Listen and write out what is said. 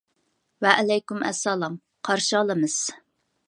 ۋەئەلەيكۇم ئەسسالام، قارشى ئالىمىز.